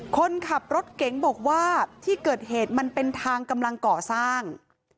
คนขับรถเก๋งบอกว่าที่เกิดเหตุมันเป็นทางกำลังก่อสร้าง